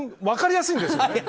分かりやすいんです。